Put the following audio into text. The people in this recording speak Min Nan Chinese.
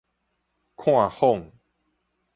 看仿